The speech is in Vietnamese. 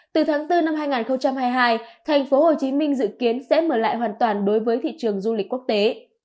từ tháng bốn năm hai nghìn hai mươi hai thành phố hồ chí minh dự kiến sẽ mở lại hoàn toàn đối với thị trường du lịch quốc tế